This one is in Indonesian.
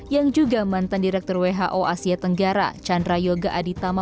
yang juga mantan direktur who asia tenggara chandra yoga aditama